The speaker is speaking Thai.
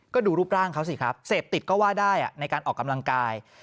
ก็ดูรูปร่างเขาสิครับเสพติดก็ว่าได้ในการออกกำลังกาย